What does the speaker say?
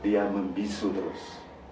dia membisu terus